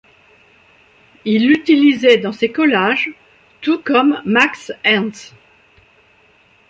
Il l’utilisait dans ses collages tout comme Max Ernst.